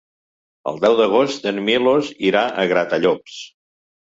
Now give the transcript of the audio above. El deu d'agost en Milos irà a Gratallops.